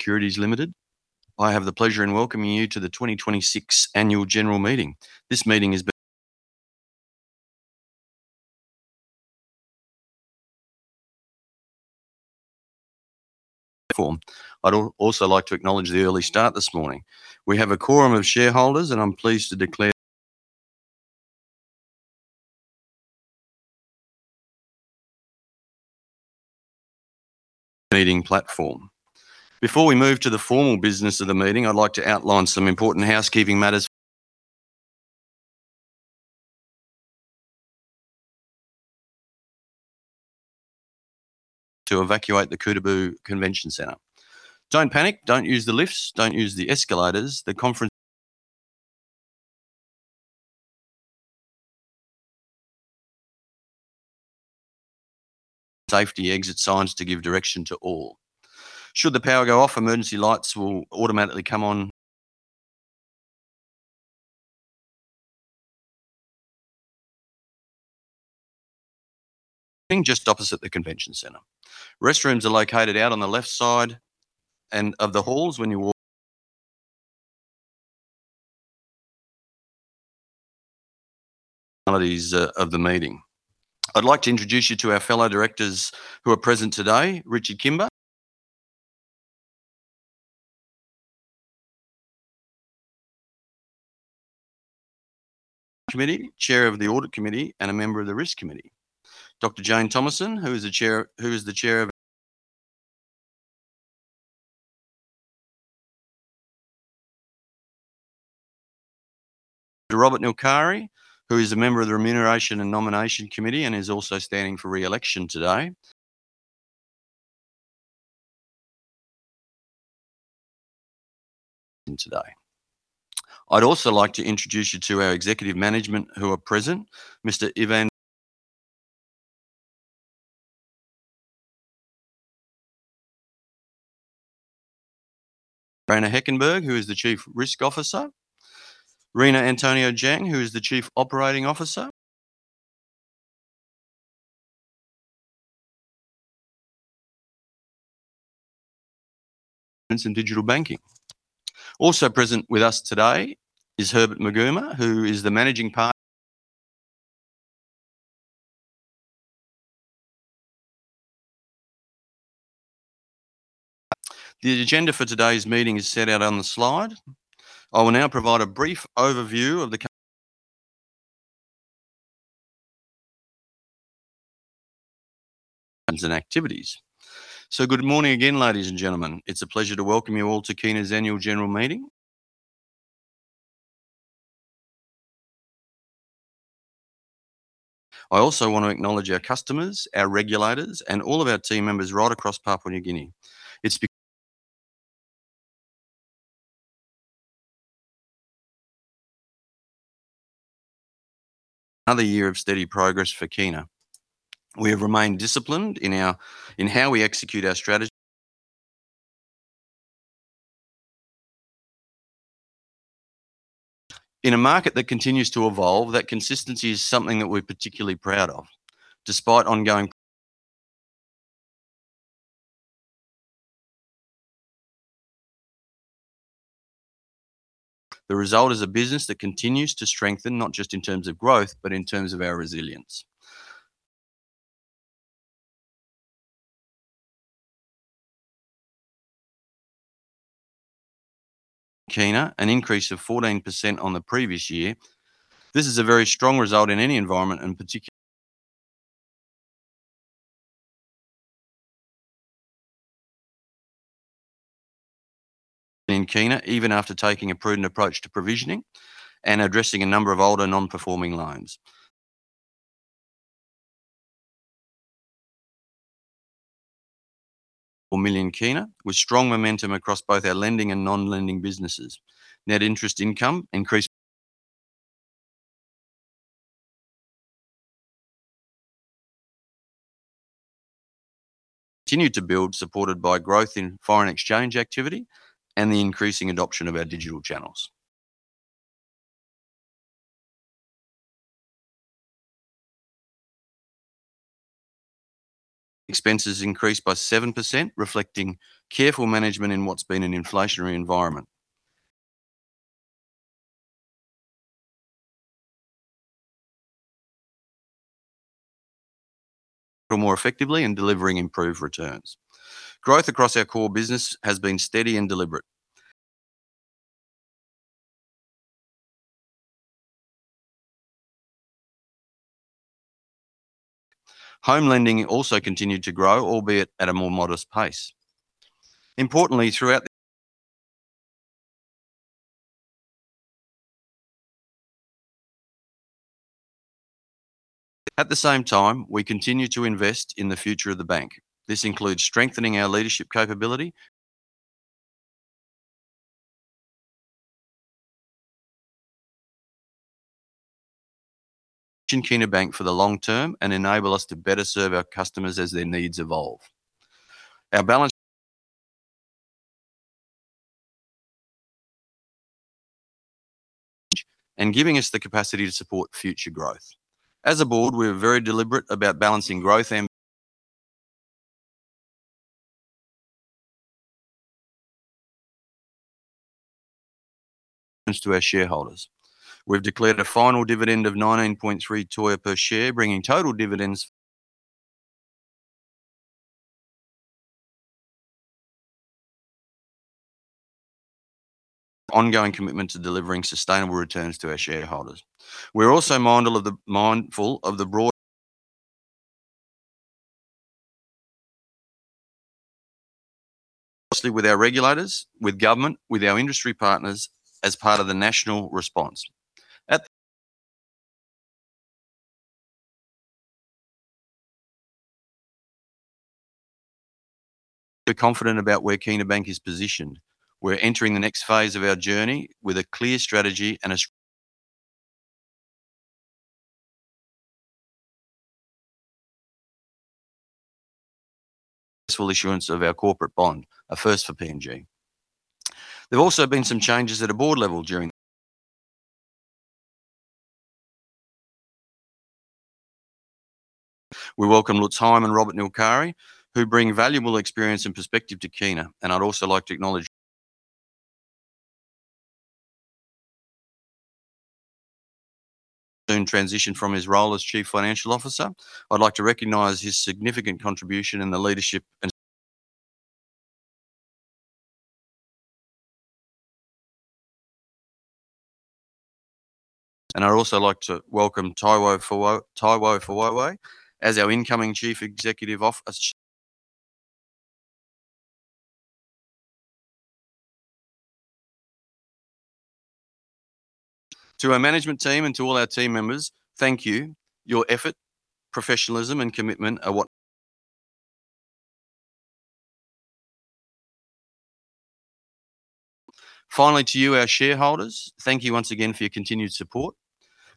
Securities Limited. I have the pleasure in welcoming you to the 2026 Annual General Meeting. This meeting is being form... I'd also like to acknowledge the early start this morning. We have a quorum of shareholders, and I'm pleased to declare meeting platform. Before we move to the formal business of the meeting, I'd like to outline some important housekeeping matters to evacuate the Kutubu Convention Centre. Don't panic. Don't use the lifts. Don't use the escalators. The conference safety exit signs to give direction to all. Should the power go off, emergency lights will automatically come on. Being just opposite the convention centre. Restrooms are located out on the left side of the halls when you walk functionalities of the meeting. I'd like to introduce you to our fellow directors who are present today, Richard Kimber. Committee, Chair of the Audit Committee, and a member of the Risk Committee. Dr. Jane Thomason, who is the Chair of Remuneration and Nominations Committee. Robert Nilkare, who is a member of the Remuneration and Nomination Committee and is also standing for re-election today. I'd also like to introduce you to our executive management who are present, Mr. Evan Rayna Heckenberg, who is the Chief Risk Officer. Rina Antonio-Jang, who is the Chief Operating Officer. and some digital banking. Also present with us today is Herbert Maguma, who is the managing part The agenda for today's meeting is set out on the slide. I will now provide a brief overview of the c and activities. Good morning again, ladies and gentlemen. It's a pleasure to welcome you all to Kina's Annual General Meeting. I also want to acknowledge our customers, our regulators, and all of our team members right across Papua New Guinea. It's because another year of steady progress for Kina. We have remained disciplined in how we execute our strategy. In a market that continues to evolve, that consistency is something that we're particularly proud of. The result is a business that continues to strengthen, not just in terms of growth, but in terms of our resilience. PGK, an increase of 14% on the previous year. This is a very strong result in any environment, and particularly in PGK, even after taking a prudent approach to provisioning and addressing a number of older non-performing loans. million PGK, with strong momentum across both our lending and non-lending businesses. Net interest income increased. Continued to build, supported by growth in foreign exchange activity and the increasing adoption of our digital channels. Expenses increased by 7%, reflecting careful management in what's been an inflationary environment, more effectively in delivering improved returns. Growth across our core business has been steady and deliberate. Home lending also continued to grow, albeit at a more modest pace. Importantly, at the same time, we continue to invest in the future of the bank. This includes strengthening our leadership capability. Kina Bank for the long term and enable us to better serve our customers as their needs evolve. Our balanceAnd giving us the capacity to support future growth. As a board, we are very deliberate about balancing growth ambitions to our shareholders. We've declared a final dividend of PGK 0.193 per share, bringing total dividends ongoing commitment to delivering sustainable returns to our shareholders. We're also mindful of the broader closely with our regulators, with government, with our industry partners as part of the national response. Confident about where Kina Bank is positioned. We're entering the next phase of our journey with a clear strategy and a successful issuance of our corporate bond, a first for PNG. There've also been some changes at a board level during We welcome Lutz Heim and Robert Nilkare, who bring valuable experience and perspective to Kina, and I'd also like to acknowledge soon transition from his role as Chief Financial Officer. I'd like to recognize his significant contribution and the leadership, and I'd also like to welcome Taiwo Fowowe as our incoming Chief Executive Officer. To our management team and to all our team members, thank you. Your effort, professionalism, and commitment are what Finally, to you, our shareholders, thank you once again for your continued support.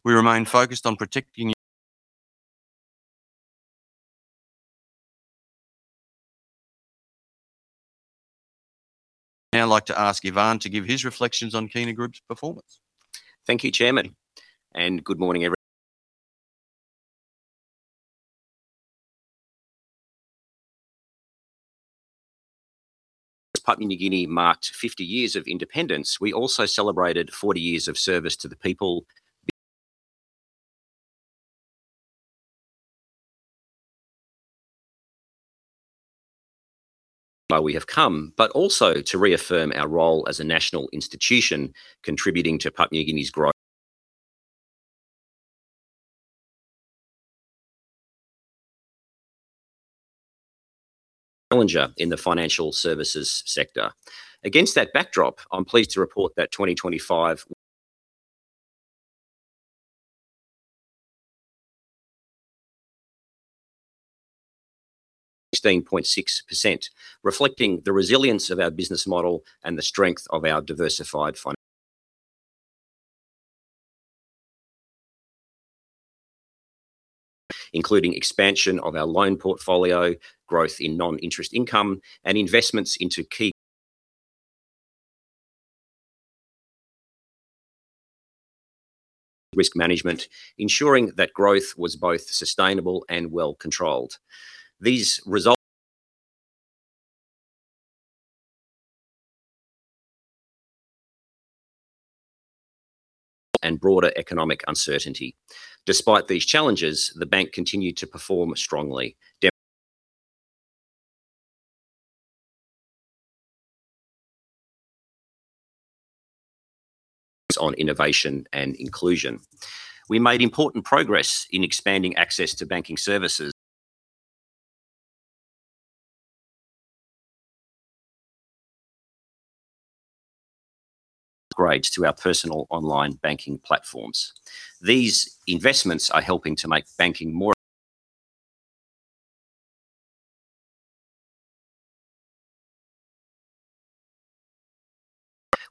We remain focused on protecting I'd now like to ask Ivan to give his reflections on Kina Group's performance. Thank you, Chairman. Good morning. As Papua New Guinea marked 50 years of independence, we also celebrated 40 years of service to the people, how far we have come, also to reaffirm our role as a national institution contributing to Papua New Guinea's grow challenger in the financial services sector. Against that backdrop, I'm pleased to report that 2025 16.6%, reflecting the resilience of our business model and the strength of our diversified financial, including expansion of our loan portfolio, growth in non-interest income, and investments into key risk management, ensuring that growth was both sustainable and well-controlled. These results and broader economic uncertainty. Despite these challenges, the bank continued to perform strongly, depending on innovation and inclusion. We made important progress in expanding access to banking services upgrades to our personal online banking platforms. These investments are helping to make banking more.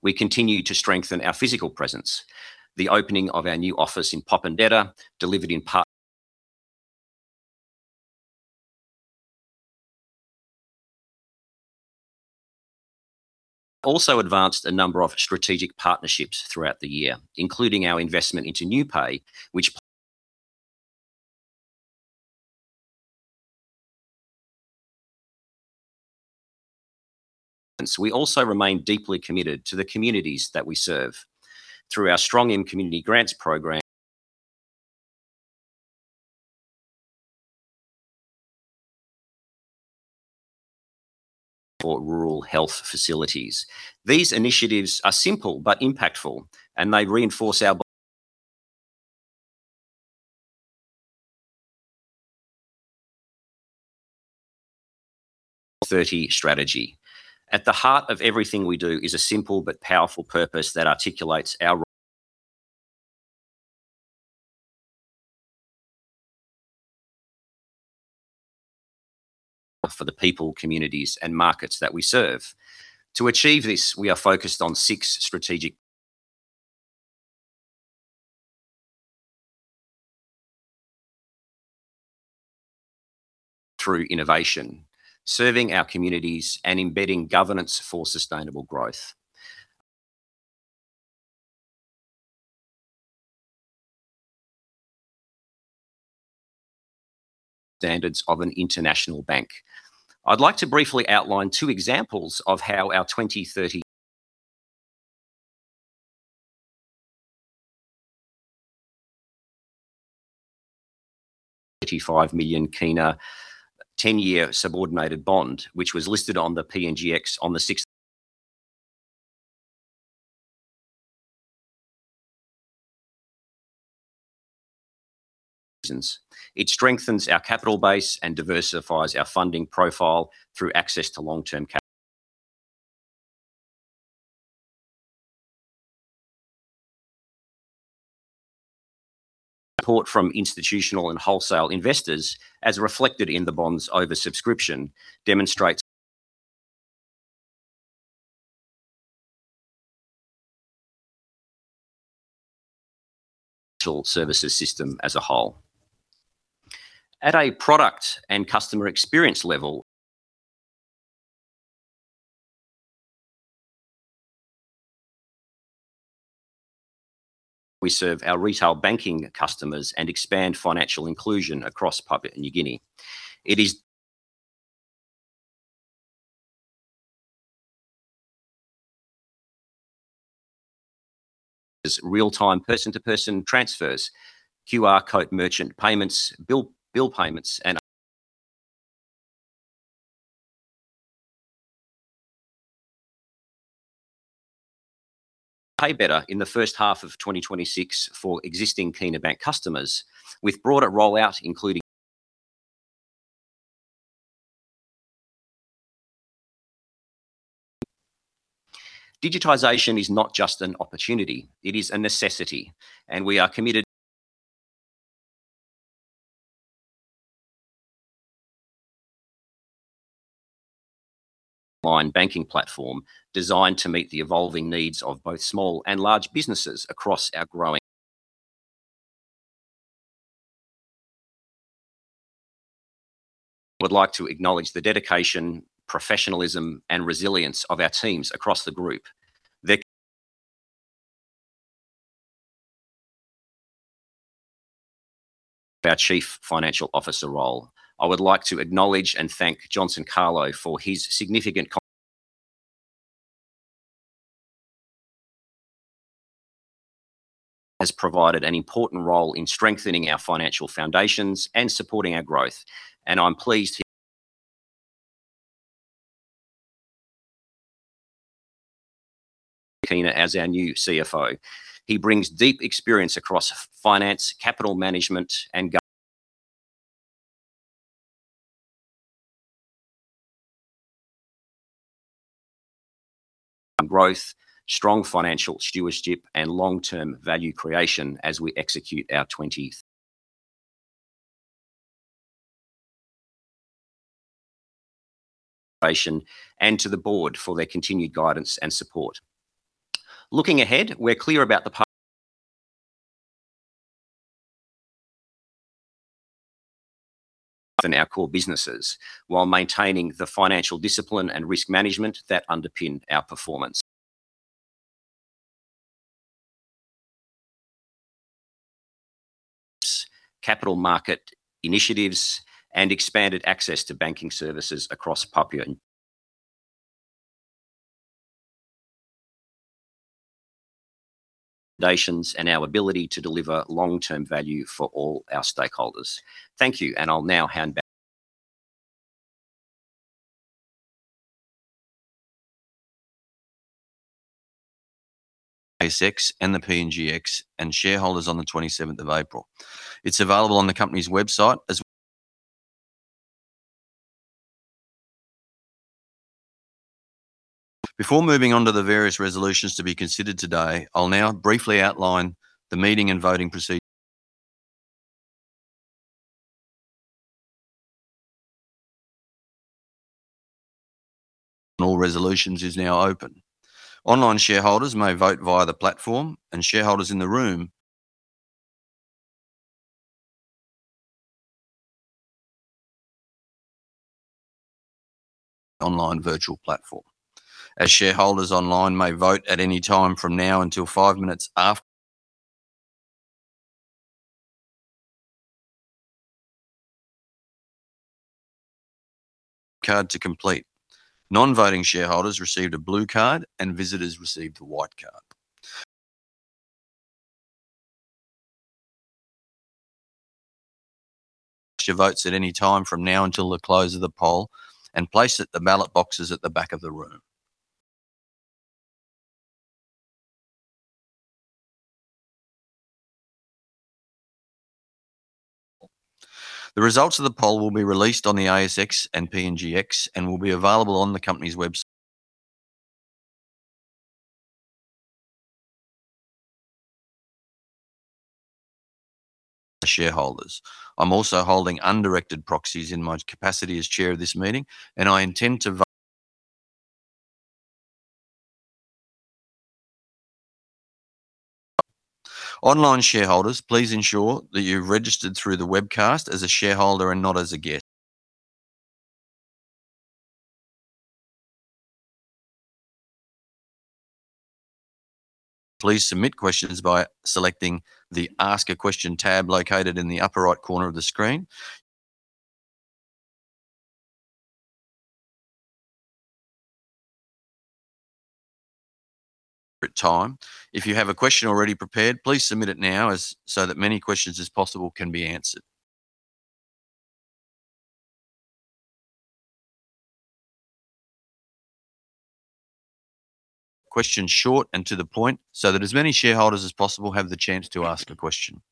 We continue to strengthen our physical presence. The opening of our new office in Popondetta, delivered in part, also advanced a number of strategic partnerships throughout the year, including our investment into NiuPay, which we also remain deeply committed to the communities that we serve. Through our Strongim Komuniti Grants program support rural health facilities. These initiatives are simple but impactful, and they reinforce our 2030 strategy. At the heart of everything we do is a simple but powerful purpose that articulates our for the people, communities, and markets that we serve. To achieve this, we are focused on six strategic through innovation, serving our communities, and embedding governance for sustainable growth. Standards of an international bank. I'd like to briefly outline two examples of how our 2030 PGK 35 million 10-year subordinated bond, which was listed on the PNGX on the 16th reasons. It strengthens our capital base and diversifies our funding profile through access to long-term capital support from institutional and wholesale investors, as reflected in the bond's oversubscription, demonstrates financial services system as a whole. At a product and customer experience level we serve our retail banking customers and expand financial inclusion across Papua New Guinea. It is real-time person-to-person transfers, QR code merchant payments, bill payments, and PeiBeta in the first half of 2026 for existing Kina Bank customers, with broader rollout including. Digitization is not just an opportunity, it is a necessity, and we are committed online banking platform designed to meet the evolving needs of both small and large businesses across our growing. I would like to acknowledge the dedication, professionalism, and resilience of our teams across the group. Our chief financial officer role. I would like to acknowledge and thank Johnson Kalo for his significant con has provided an important role in strengthening our financial foundations and supporting our growth, and I'm pleased he Kina as our new CFO. He brings deep experience across finance, capital management and growth, strong financial stewardship, and long-term value creation as we execute our 2030 strategy and to the board for their continued guidance and support. Looking ahead, we're clear about the purpose and our core businesses, while maintaining the financial discipline and risk management that underpin our performance. Capital market initiatives and expanded access to banking services across Papua New Guinea and nations and our ability to deliver long-term value for all our stakeholders. Thank you, and I'll now hand back ASX and the PNGX, and shareholders on the 27th of April. It's available on the company's website. Before moving on to the various resolutions to be considered today, I'll now briefly outline the meeting and voting procedure. Voting on all resolutions is now open. Online shareholders may vote via the platform, and shareholders in the room online virtual platform, as shareholders online may vote at any time from now until five minutes after card to complete. Non-voting shareholders received a blue card and visitors received a white card. Your votes at any time from now until the close of the poll and place it at the ballot boxes at the back of the room. The results of the poll will be released on the ASX and PNGX and will be available on the company's web shareholders. I'm also holding undirected proxies in my capacity as Chair of this meeting, and I intend to two. Online shareholders, please ensure that you've registered through the webcast as a shareholder and not as a guest. Please submit questions by selecting the Ask a Question tab located in the upper right corner of the screen. At time. If you have a question already prepared, please submit it now so that many questions as possible can be answered. Questions short and to the point, so that as many shareholders as possible have the chance to ask a question.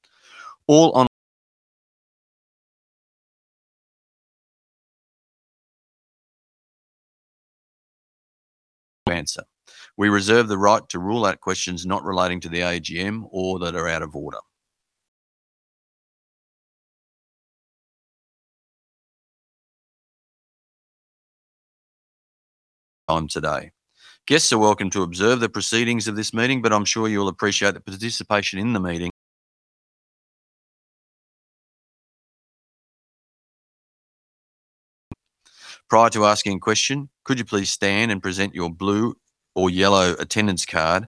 All online answer. We reserve the right to rule out questions not relating to the AGM or that are out of order. On today. Guests are welcome to observe the proceedings of this meeting, but I'm sure you will appreciate that participation in the meeting. Prior to asking a question, could you please stand and present your blue or yellow attendance card?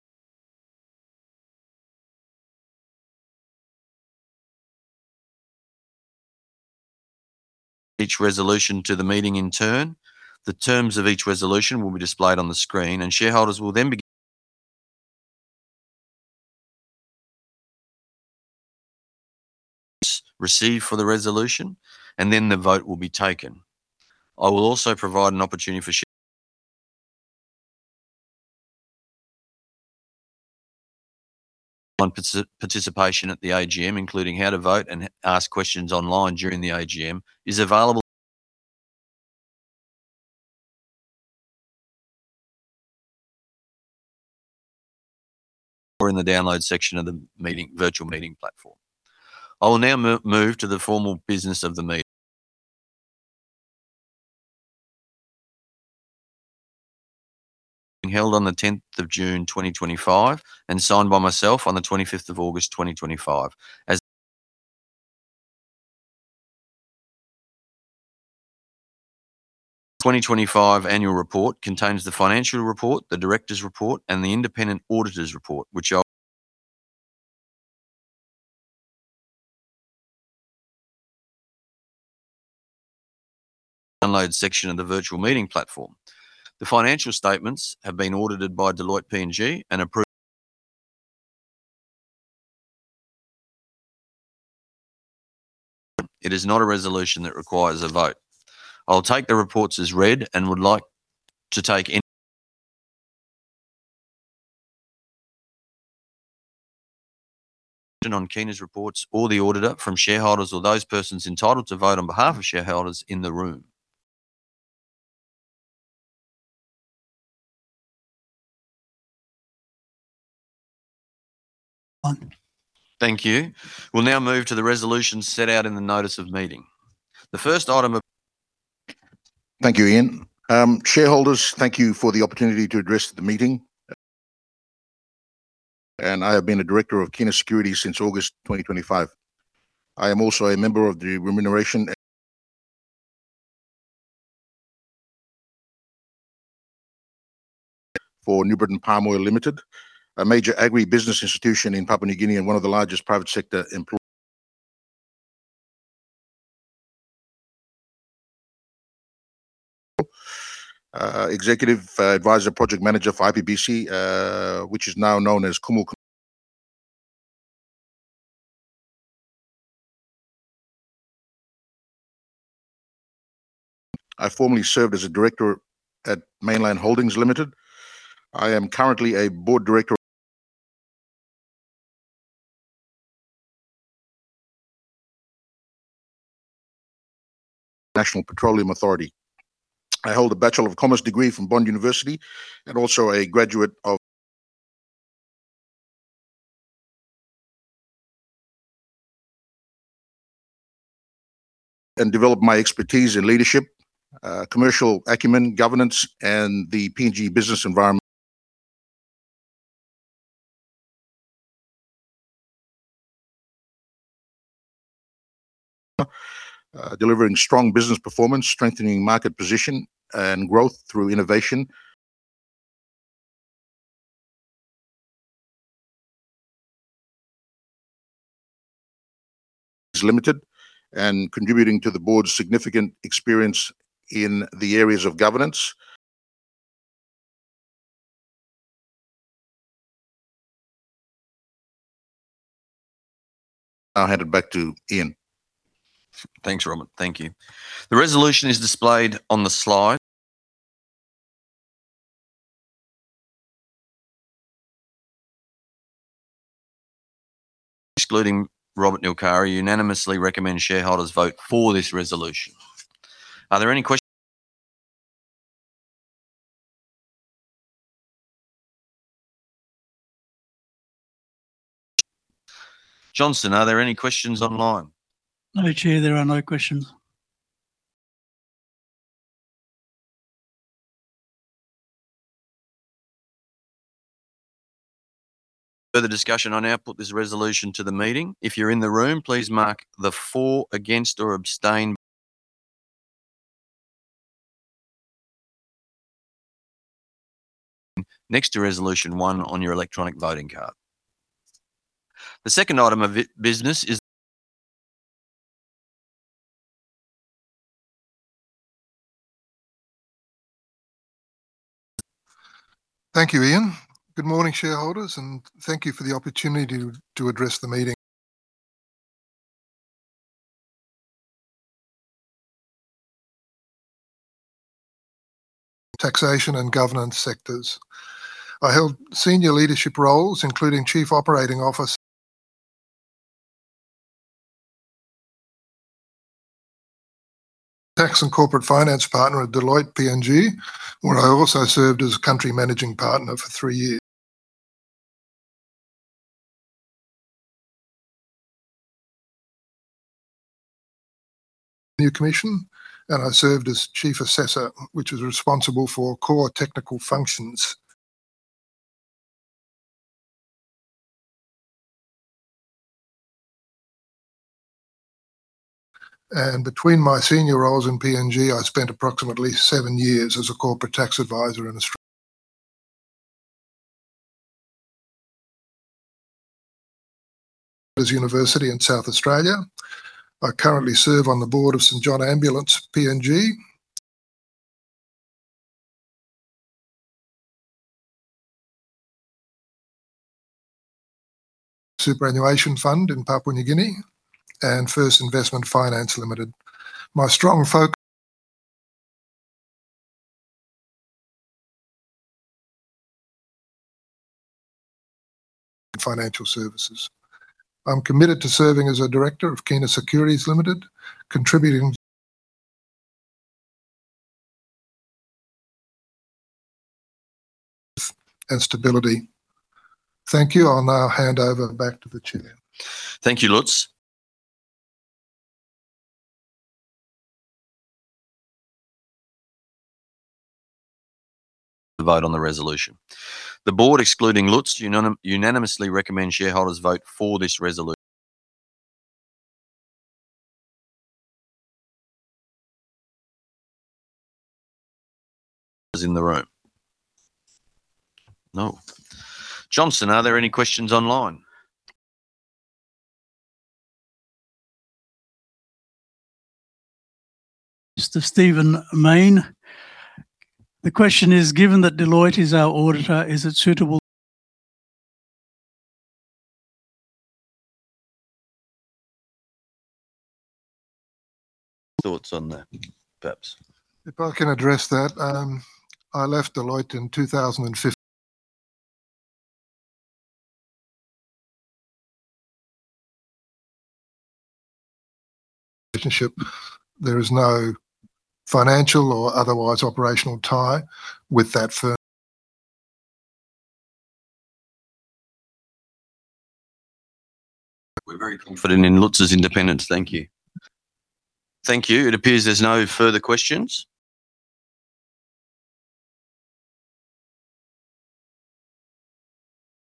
Each resolution to the meeting in turn. The terms of each resolution will be displayed on the screen, shareholders will then begin Receive for the resolution, then the vote will be taken. I will also provide an opportunity for shareholder participation at the AGM, including how to vote and ask questions online during the AGM is available or in the download section of the virtual meeting platform. I will now move to the formal business of the meeting being held on the 10th of June 2025, and signed by myself on the 25th of August 2025. The 2025 annual report contains the financial report, the directors' report, and the independent auditor's report, which I'll Download section of the virtual meeting platform. The financial statements have been audited by Deloitte PNG and approved. It is not a resolution that requires a vote. I'll take the reports as read and would like to take any On Kina's reports or the auditor from shareholders or those persons entitled to vote on behalf of shareholders in the room. One. Thank you. We'll now move to the resolutions set out in the notice of meeting. Thank you, Ian. Shareholders, thank you for the opportunity to address the meeting. I have been a director of Kina Securities since August 2025. I am also a member of the Remuneration For New Britain Palm Oil Limited, a major agribusiness institution in Papua New Guinea and one of the largest private sector employ Executive advisor, Project Manager for IPBC, which is now known as Kumul I formerly served as a director at Mainland Holdings Limited. I am currently a Board Director National Petroleum Authority. I hold a Bachelor of Commerce degree from Bond University and also a graduate of And developed my expertise in leadership, commercial acumen, governance, and the PNG business environment Delivering strong business performance, strengthening market position and growth through innovation. Limited, and contributing to the board's significant experience in the areas of governance. I'll hand it back to Ian. Thanks, Robert. Thank you. The resolution is displayed on the slide. Excluding Robert Nilkare, unanimously recommend shareholders vote for this resolution. Are there any questions? Johnson, are there any questions online? No, Chair, there are no questions. Further discussion. I now put this resolution to the meeting. If you're in the room, please mark the for, against, or abstain next to resolution one on your electronic voting card. The second item of business is- Thank you, Ian. Good morning, shareholders, and thank you for the opportunity to address the meeting, taxation and governance sectors. I held senior leadership roles, including Chief Operating Officer, Tax and Corporate Finance Partner at Deloitte PNG, where I also served as Country Managing Partner for three years. New Commission. I served as Chief Assessor, which was responsible for core technical functions. Between my senior roles in PNG, I spent approximately seven years as a corporate tax advisor in Australia. University in South Australia. I currently serve on the board of St. John Ambulance PNG, Superannuation Fund in Papua New Guinea, and First Investment Finance Limited. My strong In financial services. I'm committed to serving as a director of Kina Securities Limited, stability. Thank you. I'll now hand over back to the chair. Thank you, Lutz. The vote on the resolution. The board, excluding Lutz, unanimously recommend shareholders vote for this resolu- is in the room. No. Johnson, are there any questions online? Mr. Stephen Mayne. The question is, given that Deloitte is our auditor, is it suitable- Thoughts on that, perhaps? If I can address that. I left Deloitte in 2015. Relationship, there is no financial or otherwise operational tie with that firm. We're very confident in Lutz's independence. Thank you. Thank you. It appears there's no further questions.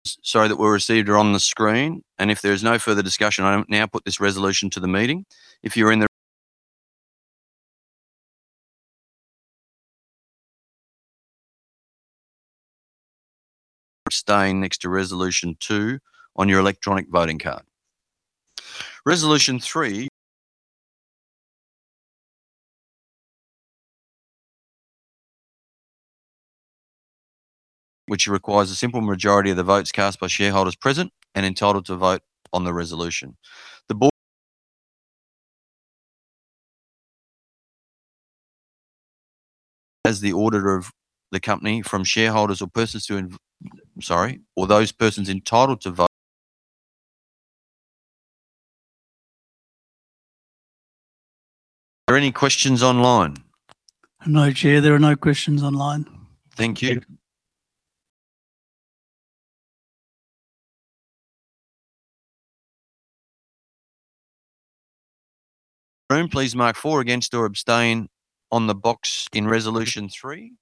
Sorry, that were received are on the screen. If there is no further discussion, I now put this resolution to the meeting. If you're abstain next to Resolution 2 on your electronic voting card. Resolution 3, which requires a simple majority of the votes cast by shareholders present and entitled to vote on the resolution. As the auditor of the company from shareholders or persons who, sorry, or those persons entitled to vote. Are there any questions online? No, Chair, there are no questions online. Thank you. Room, please mark for, against, or abstain on the box in Resolution 3.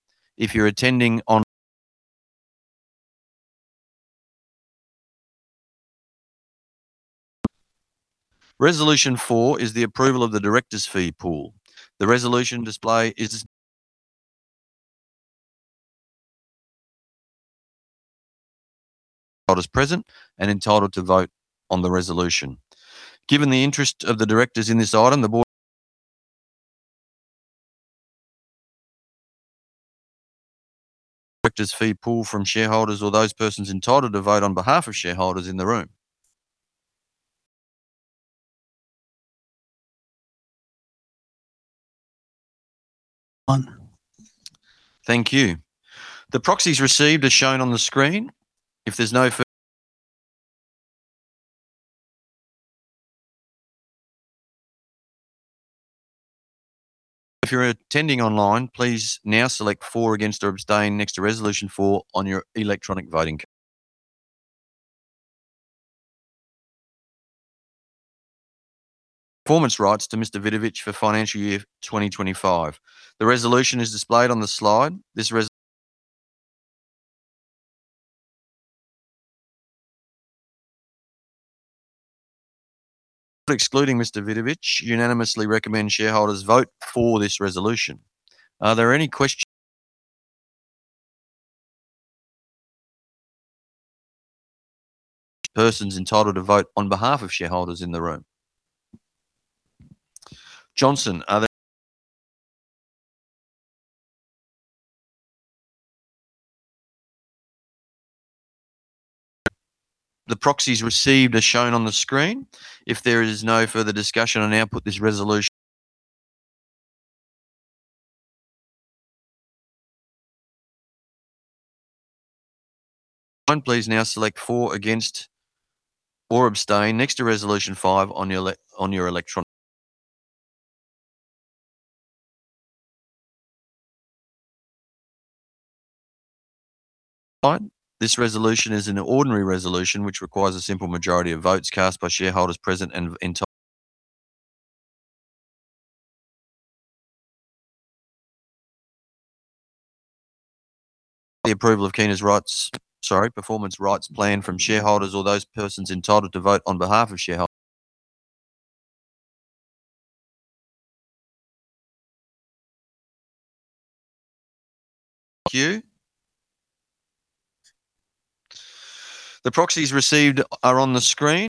Resolution 4 is the approval of the directors' fee pool. Shareholders present and entitled to vote on the resolution. Given the interest of the directors in this item, the Directors' fee pool from shareholders or those persons entitled to vote on behalf of shareholders in the room. One. Thank you. The proxies received are shown on the screen. If you're attending online, please now select for, against, or abstain next to Resolution 4 on your electronic voting card. Performance rights to Mr. Vidovich for financial year 2025. The resolution is displayed on the slide. Excluding Mr. Vidovich unanimously recommend shareholders vote for this resolution. Are there any persons entitled to vote on behalf of shareholders in the room? Johnson. The proxies received are shown on the screen. If there is no further discussion, I now put this. Please now select for, against, or abstain next to Resolution 5 on your electronic line. This resolution is an ordinary resolution, which requires a simple majority of votes cast by shareholders present. The approval of Kina's rights, sorry, Performance Rights Plan from shareholders or those persons entitled to vote on behalf of shareholders. Thank you. The proxies received are on the screen.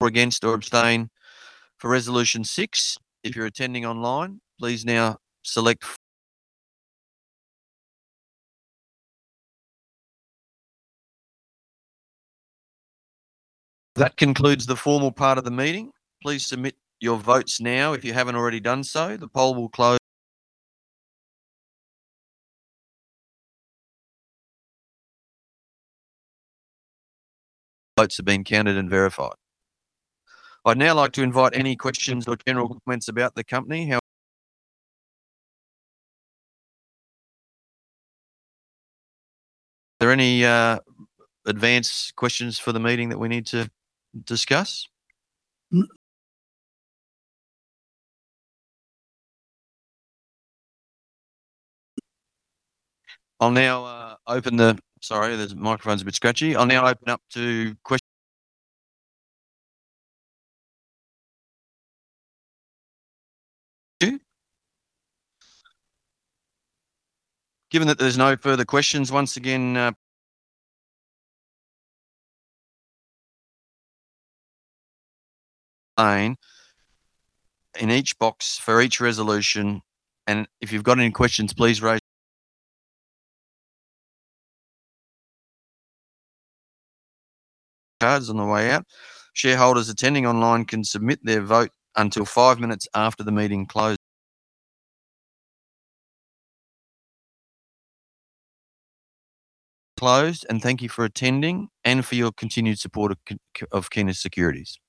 For, against, or abstain for Resolution 6. If you're attending online, please now. That concludes the formal part of the meeting. Please submit your votes now if you haven't already done so. The poll will. Votes have been counted and verified. I'd now like to invite any questions or general comments about the company. There any advance questions for the meeting that we need to discuss? I'll now open. Sorry, this microphone's a bit scratchy. I'll now open up to you. Given that there's no further questions. Lane in each box for each resolution. If you've got any questions, please rai- cards on the way out. Shareholders attending online can submit their vote until five minutes after the meeting closed, and thank you for attending and for your continued support of Kina Securities. Thank you.